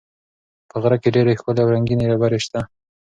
په غره کې ډېرې ښکلې او رنګینې ډبرې شته.